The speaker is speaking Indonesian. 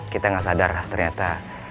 kita gak sadar ternyata